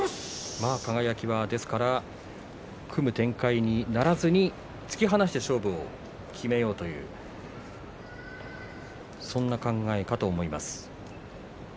輝は組む展開にならずに突き放して勝負を決めようそんな考えかと思います。